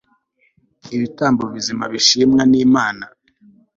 ho ibitambo bizima bishimwa nImana